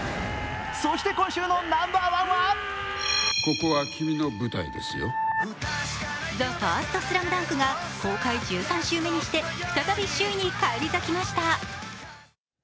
そして今週のナンバーワンは「ＴＨＥＦＩＲＳＴＳＬＡＭＤＵＮＫ」が公開１３週目にして再び首位に返り咲きました。